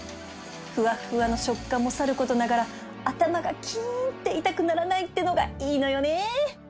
ふわっふわの食感もさることながら頭がキーンって痛くならないってのがいいのよね！